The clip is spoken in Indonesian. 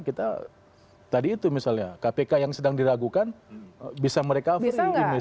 kita tadi itu misalnya kpk yang sedang diragukan bisa mereka over image nya